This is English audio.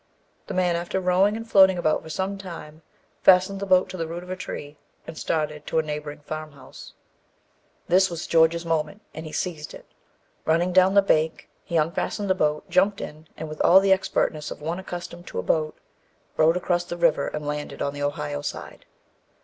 The man after rowing and floating about for some time fastened the boat to the root of a tree, and started to a neighbouring farmhouse. This was George's moment, and he seized it. Running down the bank, he unfastened the boat, jumped in, and with all the expertness of one accustomed to a boat, rowed across the river and landed on the Ohio side.